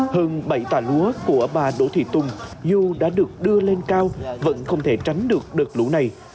hơn bảy tạ lúa của bà đỗ thị tùng dù đã được đưa lên cao vẫn không thể tránh được đợt lũ này